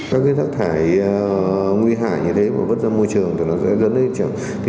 các loại rác thải y tế của khu trung cư lại được để chung với rác thải sinh hoạt